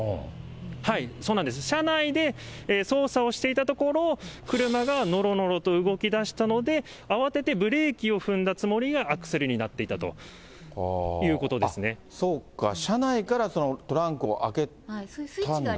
車内で操作をしていたところ、車がのろのろと動きだしたので、慌ててブレーキを踏んだつもりがアクセルになっていたということそうか、車内からトランクを開けたんだ。